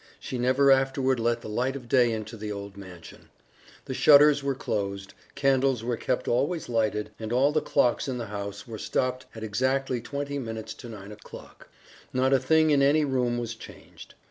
She never afterward let the light of day into the old mansion. The shutters were closed, candles were kept always lighted, and all the clocks in the house were stopped at exactly twenty minutes to nine o'clock. Not a thing in any room was changed.